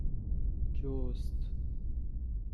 جُست